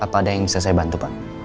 apa ada yang bisa saya bantu pak